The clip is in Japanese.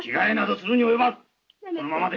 そのままで。